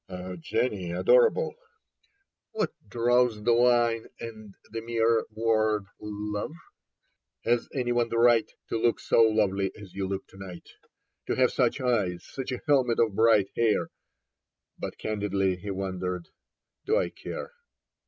" Jenny, adorable —" (what draws the line At the mere word " love "?)" has anyone the right To look so lovely as you look to night. To have such eyes, such a helmet of bright hair ?" But candidly, he wondered, do I care